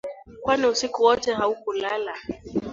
Kwani usiku wote haukulala